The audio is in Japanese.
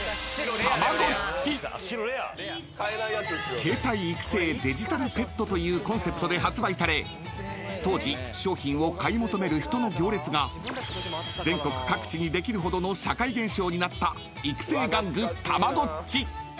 ［携帯育成デジタルペットというコンセプトで発売され当時商品を買い求める人の行列が全国各地にできるほどの社会現象になった育成玩具たまごっち］